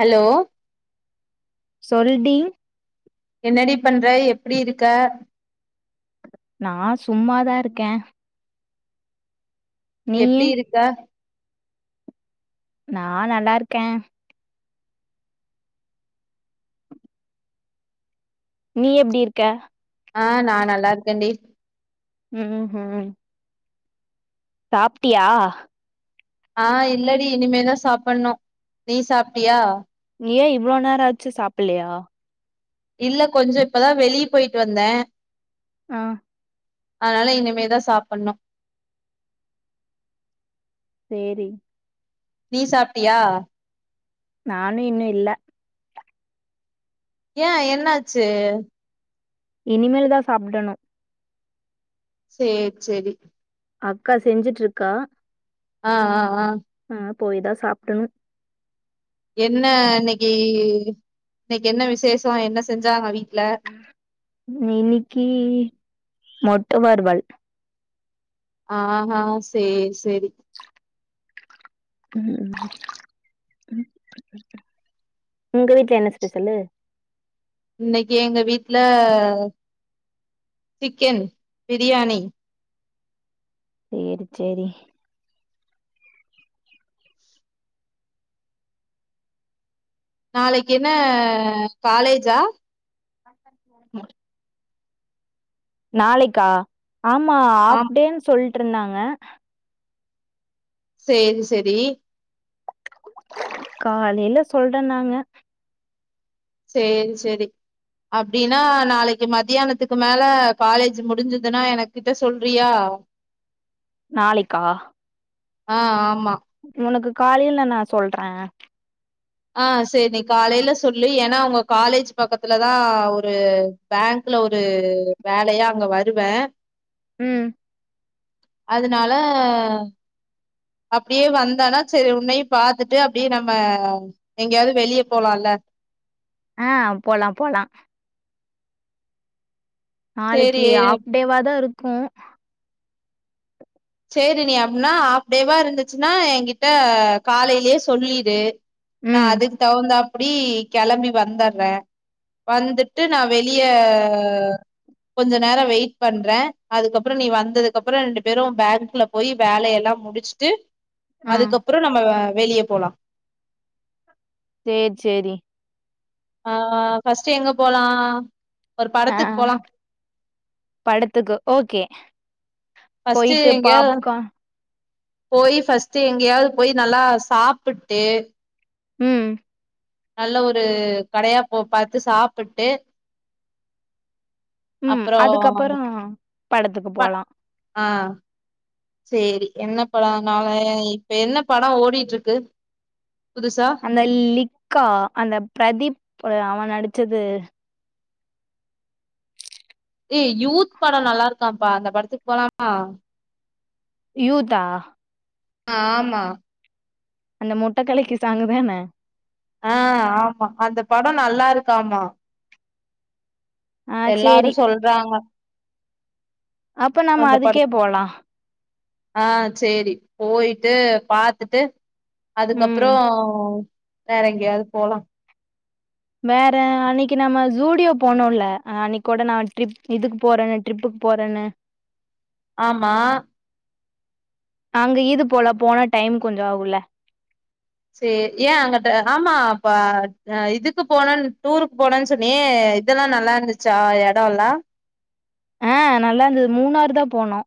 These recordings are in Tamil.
ஹலோ சொல்டி என்னடி பண்ற எப்டி இருக்க நா சும்மாதா இருக்கே நீயு எப்டி இருக்க நா நல்லா இருக்கே நீ எப்டி இருக்க ஆ நா நல்லா இருக்கேன்டி ம் ம் சாப்ட்டியா ஆ இல்லடி இனிமேல் தா சாப்டணு நீ சாப்ட்டியா ஏ இவ்ளோ நேரோ ஆச்சு சாப்பில்லையா இல்ல கொஞ்ச இப்பதா வெளியே போயிட்டு வந்தே அ அதனால இனிமேதா சாப்பண்ணு சேரி நீ சாப்ட்டியா நானு இன்னு இல்ல ஏ என்னாச்சு இனிமேல் தா சாப்டணு சேர் செரி அக்கா செஞ்சிட்டுருக்கா ஆ ஆ ஆ ஆ போய்தா சாப்டணு என்ன இன்னைக்கி இன்னைக்கு என்ன விசேஷோ என்ன செஞ்சாங்க வீட்ல இன்னிக்கி முட்ட வருவள் ஆ ஹா சேரி சேரி ம் உங்க வீட்ல என்ன ஸ்பெஷலு இன்னைக்கு எங்க வீட்ல சிக்கன் பிரியாணி சேரி செரி நாளைக் என்ன காலேஜா நாளைக்கா ஆமா ஆமா ஹாப்டேன் சொல்ட்டு ருந்தாங்க சேரி செரி காலையில சொல்றன் நாங்க சேரி செரி அப்டின்னா நாளைக்கு மத்தியானத்துக்கு மேல காலேஜ் முடிஞ்சதுன்னா எனக் கிட்ட சொல்றியா நாளைக்கா ஆ ஆமா உனக்கு காலில நா சொல்ற ஆ செரி நீ காலையில சொல்லு ஏனா உங்க காலேஜ் பக்கத்துல தா ஒரு பேங்க்ல ஒரு வேலையா அங்க வருவ ம் அதனால அப்டியே வந்தானா செரி உன்னையு பாத்துட்டு அப்டியே நம்ம எங்கியாது வெளியே போலால்ல ஆ போலா போலா சேரி நாளைக்கி ஹாஃப் டேவாதா இருக்கு சேரி நீ அப்டினா ஹாப்டேவா இருந்துச்சுன்னா என்கிட்ட காலையிலயே சொல்லிடு நா ம் அதுக்கு தகுந்தாப்பிடி கெளம்பி வந்தற்றே வந்துட்டு நா வெளிய கொஞ்ச நேரோ வெயிட் பண்ற அதுக்கப்புறோ நீ வந்ததுக்கு அப்புறோ ரெண்டு பேரு பேங் குல போய் வேலைய எல்லா முடிச்சுட்டு ஆ அதுக்கப்புறோ நம்ம வெளியே போலா சேர் செரி ஆ ஃபர்ஸ்ட்டு எங்க போலா ஒரு ஆ படத்துக்கு போலா படத்துக்கு ஓகே ஃபஸ்ட்டு போயிட்டு எங்கியாது பாப்கார்ன் போயி ஃபஸ்ட்டு எங்கியாவது போயி நல்லா சாப்புட்டு ம் நல்ல ஒரு கடையா போ பாத்து சாப்புட்டு ம் அப்புறோ அதுக்கப்பறோ படத்துக்கு ப போலா ஆ சேரி என்ன படோ நாளை இப்ப என்ன படோ ஓடிட்டு ருக்கு புதுசா அந்த லிக்கா அந்த பிரதீப் அவன் நடிச்சது ஏ யூத் படம் நல்லா இருக்காப்பா அந்த படத்துக்கு போலாமா யூத்தா ஆமா அந்த முட்ட கலக்கி சாங்குதானே ஆ ஆமா அந்த படம் நல்லா இருக்கா மா ஆ சேரி எல்லாரும் சொல்றாங்க அப்ப நம்ம அந்த அதுக்கே படத் போலாம் ஆ சரி போயிட்டு பாத்துட்டு ம் அதுக்கப்றோ வேற எங்கயாவது போலாம் வேற அன்னக்கி நம்ம ஸுடியோ போனோல அன்னைக்கு கூட நான் ட்ரிப் இதுக்கு போறேன்னுட் ட்ரிப்புக்கு போறேன்ன ஆமா நாங்க இது போல போனால் டைம் கொஞ்சம் ஆகுல சேரி ஏன் அங்குட்டு ஆமா அப்ப இதுக்கு போனன்னு டூருக்கு போனன்னு சொன்னியே இதெல்லா நல்லா இருந்துச்சா எடொல்லா ஆ நல்லார்ந்தது மூணாறு தான் போனோ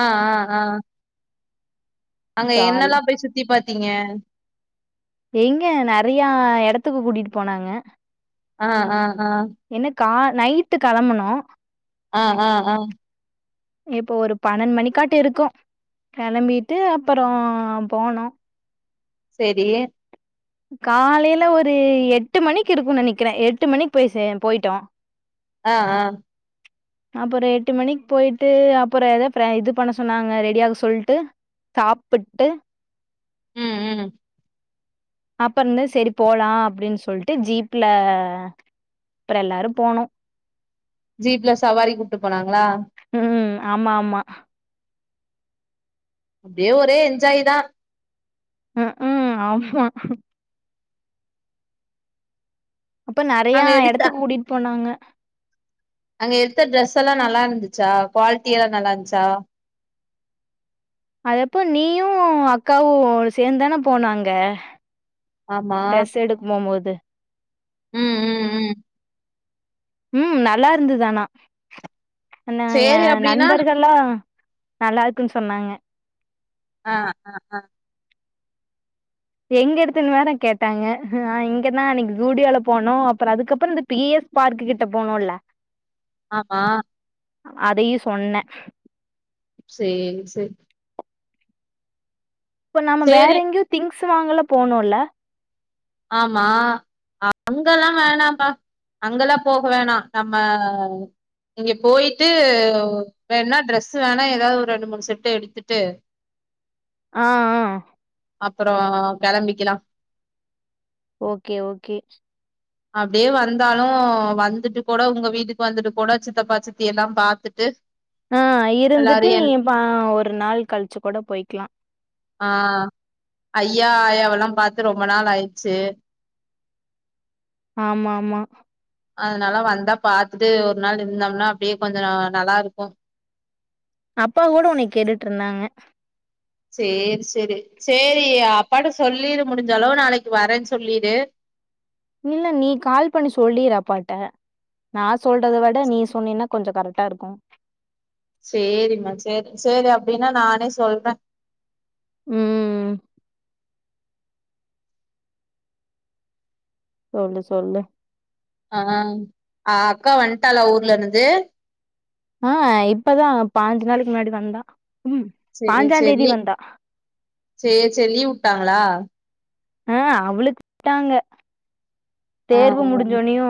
ஆ ஆ ஆ அங்க ஜாலி என்னல்லாம் போய் சுத்தி பாத்தீங்க ஏங்க நெறயா எடத்துக்கு கூட்டிட்டு போனாங்க ஆ ஆ ஆ என்ன கா நைட்டு கெளம்பனோ ஆ ஆ ஆ இப்போ ஒரு பன்னென் மணிக்காட்டு இருக்கும் கெளம்பிட்டு அப்றோ போனோ செரி காலயில ஒரு எட்டு மணிக்கு இருக்கும்னு நெனக்கிறேன் எட்டு மணிக்கு போய் சே போயிட்டோம் ஆ ஆ அப்றோ எட்டு மணிக்கு போய்ட்டு அப்றோ எதோ இது பண்ண சொன்னாங்க ரெடியாக சொல்ட்டு சாப்புட்டு ம் ம் அப்ரோந்தே சரி போலா அப்டின்னு சொல்ட்டு ஜீப்ல அப்றோ எல்லாரும் போணோ ஜீப்ல சவாரி கூப்ட்டு போனாங்களா ம் ஆமா ஆமா அப்டியே ஒரே என்ஜாய் தான் ம்க்கும் ஆமா அப்ப நெறயா அங்க எடுத்த எடத்துக்கு கூட்டிட்டு போனாங்க அங்க எடுத்த ட்ரெஸெல்லாம் நல்லாருந்துச்சா குவாலிட்டிலா நல்லா இருந்துச்சா அது அப்ப நீயும் அக்காவும் சேந்து தான போனாங்க ஆமா ட்ரெஸ் எடுக்கமோம்போது ம் ம் ம் ம் நல்லாருந்தது ஆனா நா சேரி என் அப்டின்னா நண்பர்களும் நல்லாருக்குன் சொன்னாங்க ஆ ஆ எங்க எடுத்தன்னு வேற கேட்டாங்க நான் இங்க தான் அன்னக்கி ஸுடியோல போனோ அப்றோ அதுக்கப்றோ இந்த பி எஸ் பார்க்கு கிட்ட போணுல்ல ஆமா அதையு சொன்னே சேரி செரி இப்போ நம்ம வேற சேரி எங்கேயும் திங்ஸ் வாங்கல்ல போணுல்ல ஆமா அங்கல்லா வேணாம்பா அங்கெல்லா போக வேணா நம்ம இங்கே போயிட்டு வேணுனா ட்ரெஸ் வேணா எதாவது ஒரு ரெண்டு மூணு செட்டு எடுத்துட்டு ஆ அ அப்பறோ கெளம்பிக்கெலா ஓகே ஓகே அப்டியே வந்தாலு வந்துட்டு கூட உங்க வீட்டுக்கு வந்துட்டு கூட சித்தப்பா சித்தி எல்லா பாத்துட்டு ஆ இருந்துட்டு எல்லாரையு நீ என் இப்பா ஒரு நாள் கழிச்சு கூட போய்க்லா ஆ ஐயா ஆயாவெல்லா பாத்து ரொம்ப நாள் ஆயிடுச்சு ஆமா ஆமா அதுனால வந்தா பாத்துட்டு ஒரு நாள் நின்னம்னா அப்டியே கொஞ்சோ ந நல்லா இருக்கும் அப்பா கூட ஒன்னைய கேட்டுட்ருந்தாங்க சேரி சேரி சேரி அப்பாட்ட சொல்லிரு முடிஞ்சு அளவு நாளைக்கி வரேன்னு சொல்லிடு இல்ல நீ கால் பண்ணி சொல்லீரு அப்பாகிட்ட நா சொல்றத விட நீ சொன்னீனா கொஞ்ச கரெக்ட்டா இருக்கும் சேரிம்மா சேரி சேரி அப்டின்னா நானே சொல்றே ம் ம் சொல்லு சொல்லு ஆ அ அக்கா வன்ட்டாளா ஊர்ல இருந்து ஆ இப்பதா பாஞ்சு நாளைக்கு முன்னாடி வந்தா ம் சேரி சேரி பாஞ்சாந்தேதி லிவ் வந்தா சேரி சேரி லீவ் வுட்டாங்களா அ அவளுக்கு வுட்டாங்க ஆ ஆ தேர்வு முடிஞ்சோனியு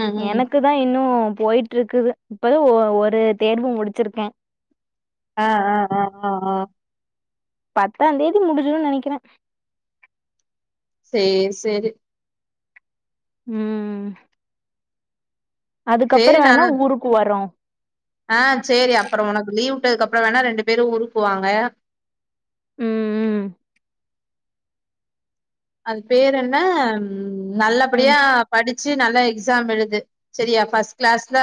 ம் ம் எனக்கு தா இன்னு போயிட்ருக்குது இப்பதா ஒ ஒரு தேர்வு முடிச்சுருக்கே ஆ ஆ அ ஆ ஆ பத்தாந் தேதி முடிஞ்சுருனு நெனைக்கிறே சேரி சேரி ம் ம் சேரி அதுக்கப்பறோ வேணா நானு ஊருக்கு வரோ ஆ சேரி அப்பறோ ஒனக்கு லீவ் வுட்டதுக்கு அப்பறோ வேணா ரெண்டு பேரு ஊருக்கு வாங்க ம் ம் அது பேரு என்ன ம் ம் ம் நல்லபடியா படிச்சு நல்லா எக்ஸாம் எழுது செரியா ஃபர்ஸ்ட் க்ளாஸ்ல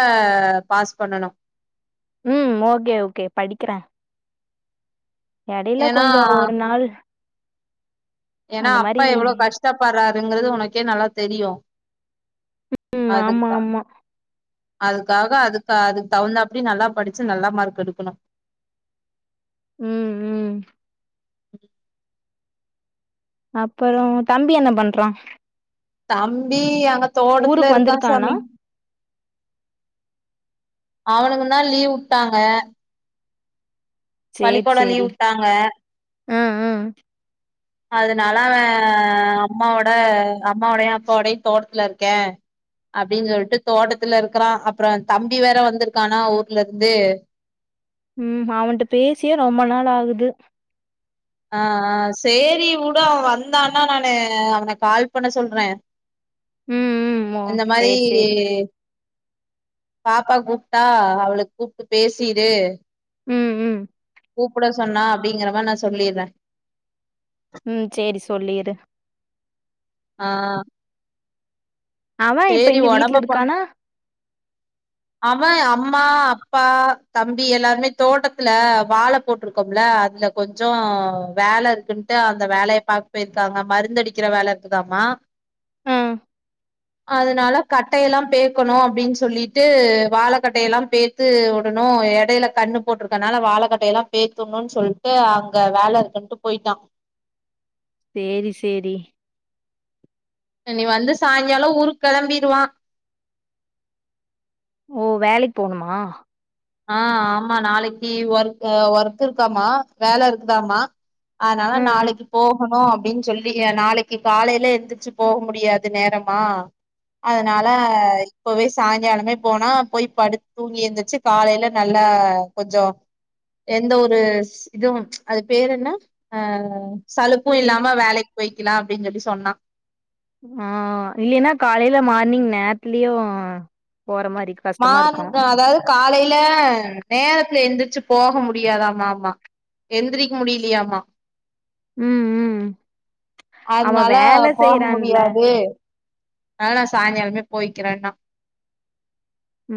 பாஸ் பண்ணணும் ம் ஓகே ஓகே படிக்கிறே எடையில ஏன்னா கொஞ்சோ ஒரு நாள் ஏன்னா அந்த அப்பா மாரி எவ்ளோ கஷ்டப்பட்றாருங்குறது உனக்கே நல்லா தெரியு ம் ஆமா அதுக்தா ஆமா அதுக்காக அதுக்கு அதுக் தகுந்தாப்படி நல்லா படிச்சு நல்லா மார்க் எடுக்கணும் ம் ம் அப்பறோ தம்பி என்ன பண்றா தம்பி அங்க தோட்டத்ல ஊருக்கு இருக்கா வந்திருக்கானா சாமி அவனுக்குந்தா லீவ் வுட்டாங்க சேரி சேரி லீவ் விட்டாங்க ம் ம் அதனால அவே அம்மாவோட அம்மாவோடையு அப்பாவோடையு தோட்டத்ல இருக்கே அப்டின் சொல்ட்டு தோட்டத்துல இருக்கறா அப்றோ தம்பி வேற வந்துருக்கானா ஊர்லருந்து ம் அவன்ட்ட பேசியே ரொம்ப நாள் ஆகுது ஆ ஆ சேரி வுடு அவே வந்தானா நானு அவன கால் பண்ண சொல்றே ம் ம் ஓ இந்த மாரி சேரி சேரி பாப்பா கூப்ட்டா அவளுக் கூப்ட்டு பேசிரு ம் ம் கூப்ட சொன்னா அப்டிங்கிறமா நா சொல்லிர்றே ம் சேரி சொல்லிரு ஆ அவே இப்ப சேரி இங்க வீட்ல ஒடம்ப இருக்கானா அவே அம்மா அப்பா தம்பி எல்லாருமே தோட்டத்துல வாழ போட்ருக்கோம்ல அதுல கொஞ்சோ வேல இருக்குன்ட்டு அந்த வேலைய பாக்க போயிருக்காங்க மருந்து அடிக்கிற வேல இருக்குதாமா ஆ அதனால கட்டையெல்லா பேக்கணு அப்டின்னு சொல்லிட்டு வாழைக்கட்டை எல்லா பேத் த்து விடணு இடையில கண்ணு போட்டிருக்கனால வாழைகட்டைய எல்லா பேத்துணுன்னு சொல்லிட்டு அங்க வேல இருக்குன்ட்டு போயிட்டா சேரி சேரி இனி வந்து சாய்ங்காலோ ஊருக்கு கிளம்பிருவா ஓ வேலைக் போணுமா ஆ ஆமா நாளைக்கி ஒர்க் ஒர்க் இருக்காமா வேல இருக்குதாமா அதனால ம் ம் நாளைக்கி போகணு அப்டின்னு சொல் நீங்க நாளைக்கு காலைல எந்திரிச்சு போக முடியாது நேரமா அதனால இப்பவே சாய்ங்காலமே போனா போய் படு தூங்கி எந்திரிச்சு காலையில நல்லா கொஞ்சோ எந்த ஒரு ஸ் இதுவு அது பேரு என்ன அ சலுப்பு ஏ இல்லாம வேலைக்கு போய்க்கலா அப்டின்னு சொல்லி சொன்னா ம் இல்லைன்னா காலையில மார்னிங் நேரத்துலயு போற மாறி க்கு மாற்னுக்கு அதாவது காலையில நேரத்துல எந்திரச்சு போக முடியாத மாமா எந்திரிக்க முடியலையாமா ம் ம் அவ அதனால வேல செய்றான்ல அதா நா சாயங்காலமே போய்க்கிறேன்னா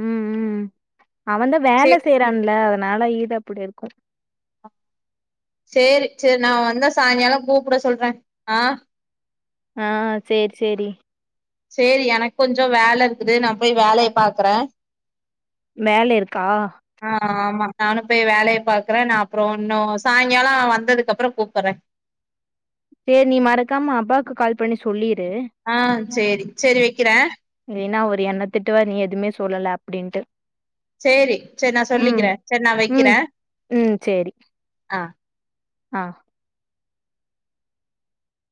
ம் ம் அவன்தா வேல சே செய்றான்ல அதனால [unintelligible] அப்டி இருக்கு சேரி சேரி நா வந்தா சாயங்கால கூப்ட சொல்றே ஆ ஆ சேரி சேரி சேரி எனக்கு கொஞ்சோ வேல இருக்குது நா போய் வேலைய பாக்குறே வேலை இருக்கா ஆ ஆமா நானு போய் வேலையை பாக்குறே நா அப்பற இன்னு சாய்ங்கால வந்ததுக்கு அப்பற கூப்பறே சேரி நீ மறக்காம அப்பாவுக்கு கால் பண்ணி சொல்லிரு ஆ சேரி சேரி வைக்கிறே இல்லைன்னா அவரு எண்ணத்திட்டுவார் நீ எதுவுமே சொல்லல அப்டின்ட்டு சேரி சேரி நா ம் சொல்லிக்கிறே சேரி நா ம் வைக்கிறே ம் சேரி ஆ ஆ